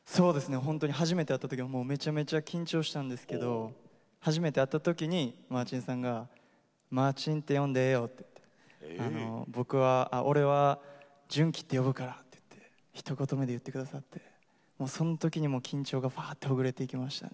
ほんとに初めて会った時はもうめちゃめちゃ緊張したんですけど初めて会った時にマーチンさんがマーチンって呼んでええよって俺は純喜って呼ぶからってひと言目で言ってくださってもうその時に緊張がふわってほぐれていきましたね。